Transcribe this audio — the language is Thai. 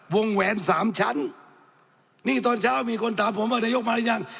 แหวนสามชั้นนี่ตอนเช้ามีคนถามผมว่านายกมาหรือยัง